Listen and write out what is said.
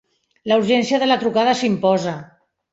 La urgència de la trucada s'imposa.